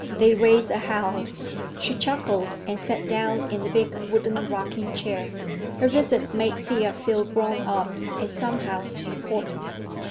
They raised a howl." She chuckled and sat down in the big wooden rocking chair. Her visit made Thea feel grown up, and, somehow, important.